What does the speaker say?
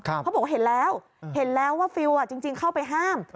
เขาบอกว่าเห็นแล้วเห็นแล้วว่าฟิลจริงเข้าไปห้าม